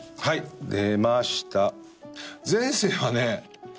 はい出ました前世はね